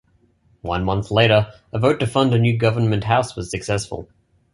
One month later a vote to fund a new government house was successful.